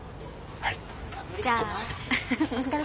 はい。